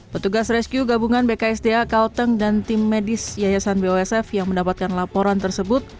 petugas rescue gabungan bksda kalteng dan tim medis yayasan bosf yang mendapatkan laporan tersebut